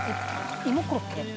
「芋コロッケ？」